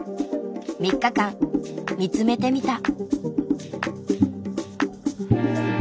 ３日間見つめてみた。